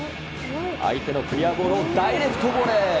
相手のクリアボールをダイレクトボレー。